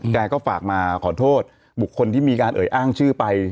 แกก็ฝากมาขอโทษบุคคลที่มีการเอ่ยอ้างชื่อไป